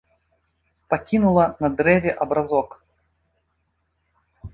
Пакінула на дрэве абразок.